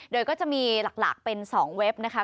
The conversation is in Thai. โดยก็จะมีหลักเป็น๒เว็บนะคะ